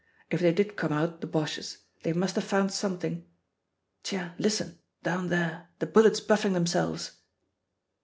If they did come out, the Boches, they must have found something.' Tiens, listen, down there, the bullets buffing themselves!"